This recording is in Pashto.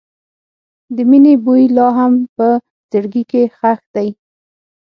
د مینې بوی لا هم په زړګي کې ښخ دی.